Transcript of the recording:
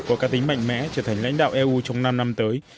có ca tính mạnh mẽ trở thành lãnh đạo eu trong năm năm tới